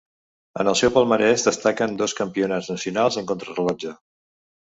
En el seu palmarès destaquen dos campionats nacionals en contrarellotge.